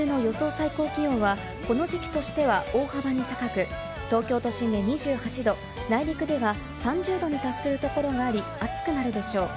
最高気温はこの時期としては大幅に高く、東京都心で２８度、内陸では３０度に達する所があり、暑くなるでしょう。